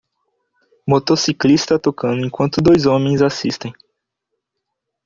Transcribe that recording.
Motociclista tocando enquanto dois homens assistem